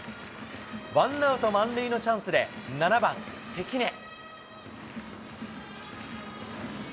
ワンアウト満塁のチャンスで７番関根。